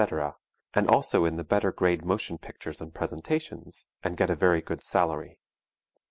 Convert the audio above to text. and also in the better grade motion pictures and presentations, and get a very good salary.